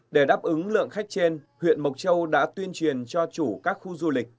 để đáp ứng lượng khách trên huyện mộc châu đã tuyên truyền cho chủ các khu du lịch